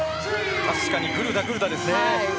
確かにグルダ、グルダですね。